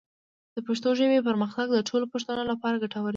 د پښتو ژبې پرمختګ د ټولو پښتنو لپاره ګټور دی.